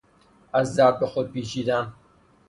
از درد به خود پیچیدن